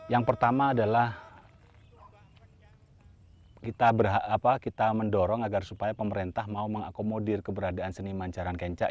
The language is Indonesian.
yang pertama adalah kita mendorong agar supaya pemerintah mau mengakomodir keberadaan seniman jaran kencak